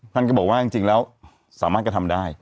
ท่านก็บอกว่าจริงแล้วสามารถกระทำได้